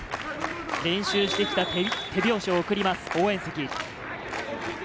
練習してきた手拍子を送ります、応援席。